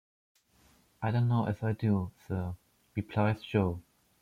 "I don't know as I do, sir," replies Jo.